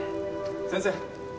先生。